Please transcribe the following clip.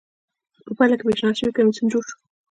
په پایله کې پېشنهاد شوی کمېسیون جوړ شو